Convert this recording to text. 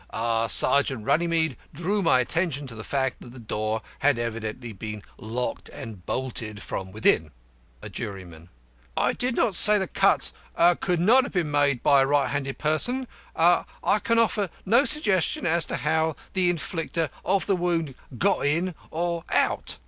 Sergeant Runnymede drew my attention to the fact that the door had evidently been locked and bolted from within." By a JURYMAN: I do not say the cuts could not have been made by a right handed person. I can offer no suggestion as to how the inflictor of the wound got in or out.